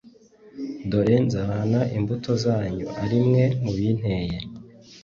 Dore nzahana imbuto zanyu ari mwe mubinteye